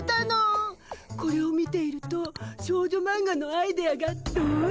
これを見ていると少女マンガのアイデアがどんどんわいてくるわ。